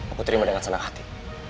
aku terima dengan senang hati